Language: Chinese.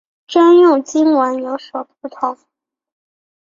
专用经文有所不同。